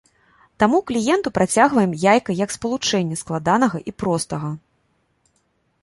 Таму кліенту працягваем яйка як спалучэнне складанага і простага.